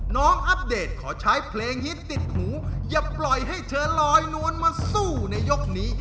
อัปเดตขอใช้เพลงฮิตติดหูอย่าปล่อยให้เธอลอยนวลมาสู้ในยกนี้